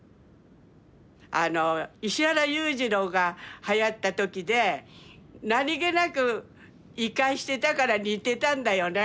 あの石原裕次郎がはやった時で何気なくイカしてたから似てたんだよね。